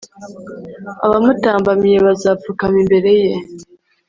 abamutambamiye bazapfukama imbere ye